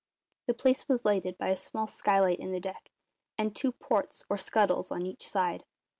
The place was lighted by a small skylight in the deck, and two ports, or scuttles, on each side.